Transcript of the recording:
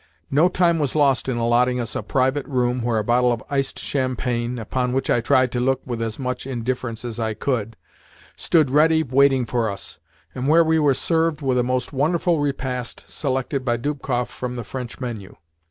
No time was lost in allotting us a private room, where a bottle of iced champagne upon which I tried to look with as much indifference as I could stood ready waiting for us, and where we were served with a most wonderful repast selected by Dubkoff from the French menu.